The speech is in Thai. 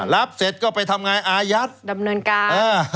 รับเสร็จก็ไปทำงานอายัดดำเนินการ